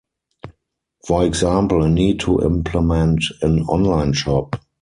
For example, a need to implement an online shop.